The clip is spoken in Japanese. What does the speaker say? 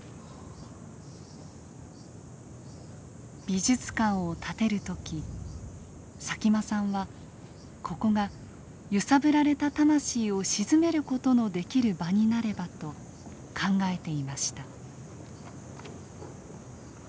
美術館を建てる時佐喜眞さんはここが揺さぶられた魂を鎮める事のできる場になればと考えていました。